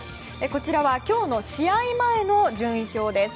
こちらは今日の試合前の順位表です。